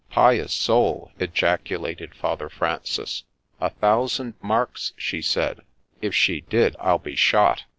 ' Pious soul 1 ' ejaculated Father Francis. ' A thousand marks, she said '' If she did, I'll be shot